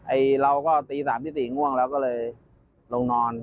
เราก็ตี๓ตี๔ง่วงเราก็เลยลงนอน